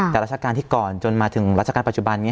แต่ราชการที่ก่อนจนมาถึงราชการปัจจุบันนี้